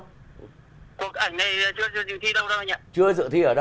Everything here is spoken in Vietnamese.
cuộc ảnh này chưa dự thi đâu đâu anh ạ